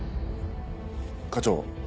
課長。